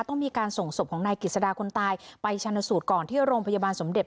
ต้องมีการส่งศพของนายกิจสดาคนตายไปชนสูตรก่อนที่โรงพยาบาลสมเด็จ